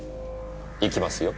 行きますよ。